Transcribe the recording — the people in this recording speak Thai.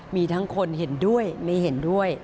มีทั้งคนเห็นด้วยไม่เห็นด้วย